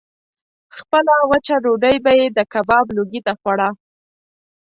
خپله وچه ډوډۍ به یې د کباب لوګي ته خوړه.